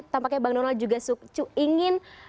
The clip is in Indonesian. tampaknya bang donald juga ingin